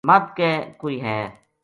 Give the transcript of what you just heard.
مدھ کے کوئے ہے